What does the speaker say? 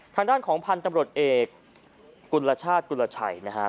ทางด้านของพันธ์ตำรวจเอกกุณฑชาติกุณฑชัยนะฮะ